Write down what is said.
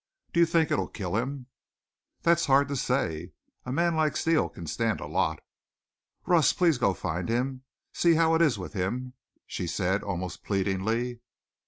Do you think it'll kill him?" "That's hard to say. A man like Steele can stand a lot." "Russ, please go find him! See how it is with him!" she said, almost pleadingly.